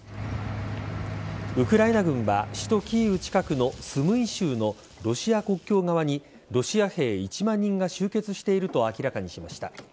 ウクライナ軍は首都・キーウ近くのスムイ州のロシア国境側にロシア兵１万人が集結していると明らかにしました。